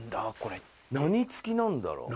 何付きなんだろう？